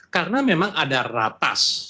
karena memang ada ratas